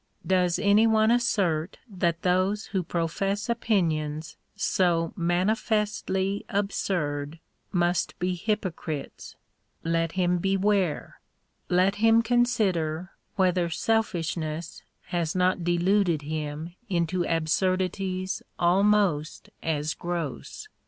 Does any one assert that those who profess opinions so manifestly absurd must be hypocrites ? Let him beware. Let him consider whether selfishness has not deluded him into absurdities almost as gross.